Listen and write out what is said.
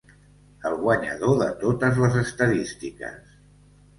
El guanyador de totes les estadístiques.